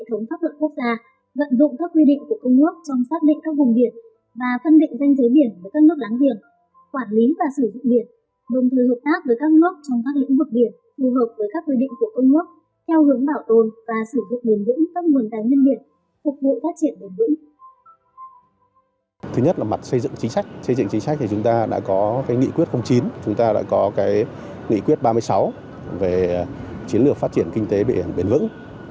tù hợp với các quy định của công ước theo hướng bảo tồn và sử dụng bền vững các nguồn tài nhân biển phục vụ phát triển bền vững